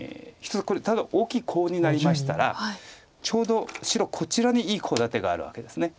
これただ大きいコウになりましたらちょうど白こちらにいいコウ立てがあるわけです。